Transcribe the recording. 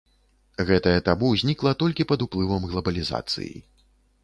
Гэтае табу знікла толькі пад уплывам глабалізацыі.